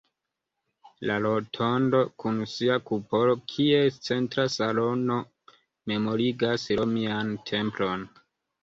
La rotondo kun sia kupolo kiel centra salono memorigas romian templon.